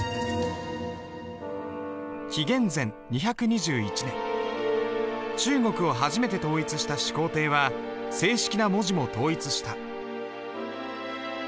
紀元前２２１年中国を初めて統一した始皇帝は正式な文字も統一した。